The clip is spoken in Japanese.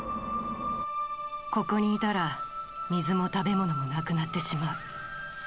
ここにいたら水も食べ物もなくなってしまう